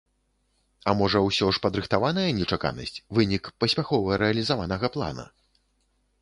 А можа, усё ж падрыхтаваная нечаканасць, вынік паспяхова рэалізаванага плана?